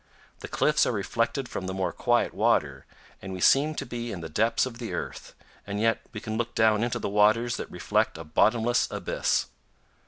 The cliffs are reflected from the more quiet river, and we seem to be in the depths of the earth, and yet we can look down into waters that reflect a bottomless abyss.